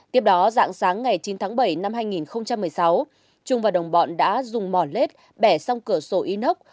tiếp đó dạng sáng ngày chín tháng bảy năm hai nghìn một mươi sáu trung và đồng bọn đã dùng mỏ lết bẻ xong cửa sổ inox